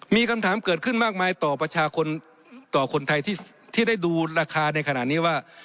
มีคำถามเกิดขึ้นมากมายต่อประชาชนต่อคนไทยที่ได้ดูราคาในขณะนี้ว่า